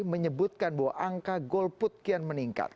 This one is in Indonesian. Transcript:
menyebutkan bahwa angka golput kian meningkat